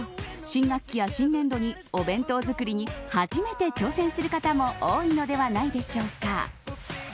新学期や新年度にお弁当作りに初めて挑戦する方も多いのではないでしょうか。